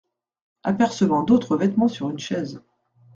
Apercevant d’autres vêtements sur une chaise.